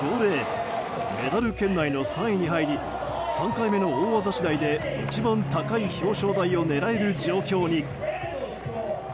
メダル圏内の３位に入り３回目の大技次第で一番高い表彰台を狙える状況に。